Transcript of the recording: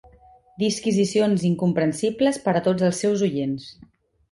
Disquisicions incomprensibles per a tots els seus oients.